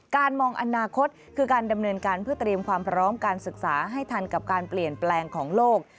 มองอนาคตคือการดำเนินการเพื่อเตรียมความพร้อมการศึกษาให้ทันกับการเปลี่ยนแปลงของโลก